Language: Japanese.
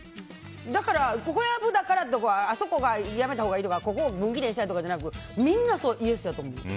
だから、小籔だからとかあそこがやめたほうがいいとかここを分岐点にしたいとかじゃなくみんな、イエスやと思う。